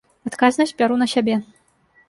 Адказнасць бяру на сябе.